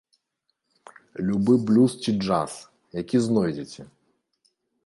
Любы блюз ці джаз, які знойдзеце!